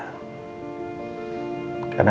kadang kadang kita lupa